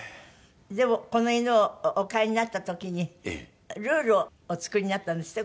でもこの犬をお買いになった時にルールをお作りになったんですって？